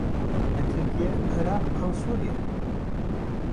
Li Tirkiyê, Iraqê an Sûriyê?